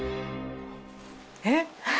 えっ！